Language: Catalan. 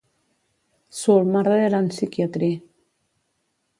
"Soul Murder and Psychiatry".